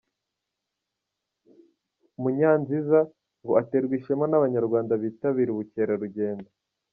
Munyanziza ngo aterwa ishema n’abanyarwanda bitabira ubukerarugendo.